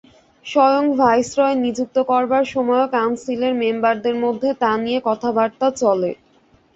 স্বয়ং ভাইসরয় নিযুক্ত করবার সময়েও কাউন্সিলের মেম্বারদের মধ্যে তা নিয়ে কথাবার্তা চলে।